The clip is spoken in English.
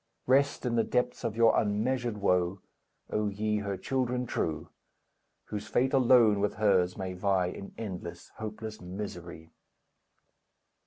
Rest in the depths of your unmeasured woe, O ye, her children true, Whose fate alone with hers may vie, In endless, hopeless misery!